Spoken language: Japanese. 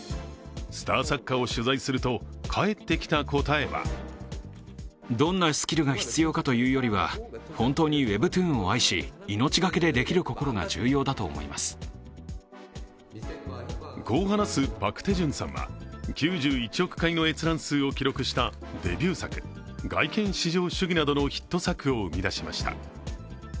スター作家を取材すると、返ってきた答えはこう話すパク・テジュンさんは９１億回の閲覧数を記録したデビュー作「外見至上主義」などのヒット作を生み出しました。